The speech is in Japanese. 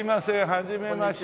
はじめまして。